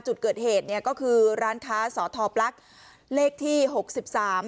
จุดเกิดเหตุเนี่ยก็คือร้านค้าสอทอปลั๊กเลขที่หกสิบสาม